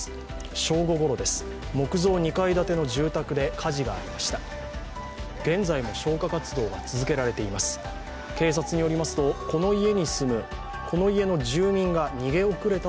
正午ごろです、木造２階建ての住宅で火事がありました。